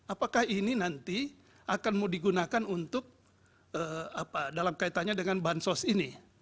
apakah ini nanti akan mau digunakan untuk dalam kaitannya dengan bansos ini